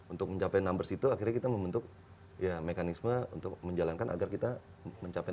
untuk mencapai numbers itu akhirnya kita membentuk ya mekanisme untuk menjalankan agar kita mencapai